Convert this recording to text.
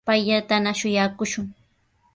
Payllatana shuyaakushun.